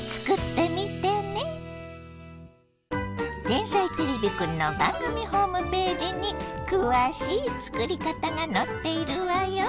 「天才てれびくん」の番組ホームページにくわしい作り方がのっているわよ。